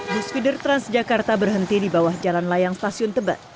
bus feeder transjakarta berhenti di bawah jalan layang stasiun tebet